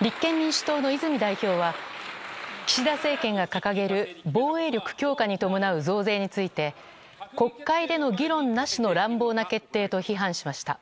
立憲民主党の泉代表は岸田政権が掲げる防衛力強化に伴う増税について国会での議論なしの乱暴な決定と批判しました。